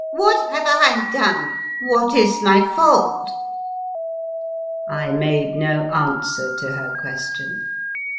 What have I done? What is my fault? " I made no answer to her question.